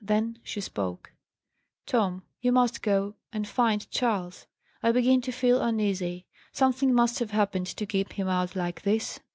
Then she spoke. "Tom, you must go and find Charles. I begin to feel uneasy. Something must have happened, to keep him out like this."